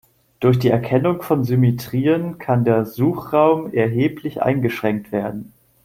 Durch die Erkennung von Symmetrien kann der Suchraum erheblich eingeschränkt werden.